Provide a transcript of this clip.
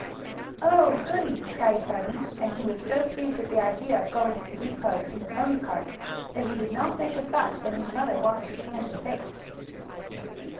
"Oh, goodie!" cried Bunny, and he was so pleased at the idea of going to the depot in the pony cart that he did not make a fuss when his mother washed his hands and face.